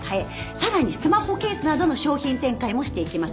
さらにスマホケースなどの商品展開もしていけます。